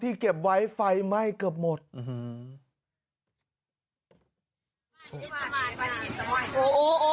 ที่เก็บไว้ไฟไหม้ก็หมดอื้อหือ